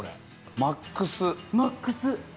マックス。